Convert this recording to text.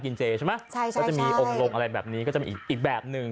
เจใช่ไหมใช่ค่ะก็จะมีองค์ลงอะไรแบบนี้ก็จะมีอีกแบบหนึ่ง